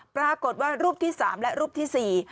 ปรากฏว่ารูปที่๓และรูปที่๔